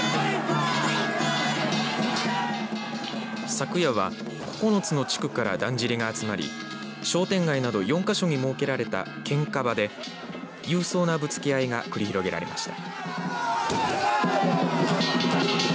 昨夜は９つの地区からだんじりが集まり商店街など４か所に設けられたけんか場で勇壮なぶつけ合いが繰り広げられました。